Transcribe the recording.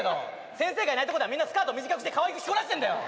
先生がいないとこではみんなスカート短くしてかわいく着こなしてんだよ。